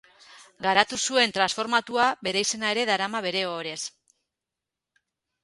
Garatu zuen transformatua bere izena ere darama bere ohorez.